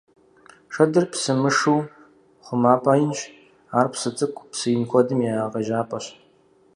Шэдыр псы мышыу хъумапӀэ инщ, ар псы цӀыкӀу, псы ин куэдым я къежьапӀэщ.